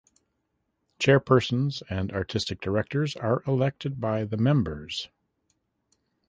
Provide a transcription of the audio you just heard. Chairpersons and artistic directors are elected by the members.